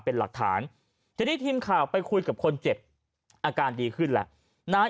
เป็นหลักฐานทีนี้ทีมข่าวไปคุยกับคนเจ็บอาการดีขึ้นแล้วนาย